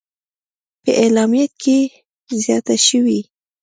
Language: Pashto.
په اعلامیه کې زیاته شوې: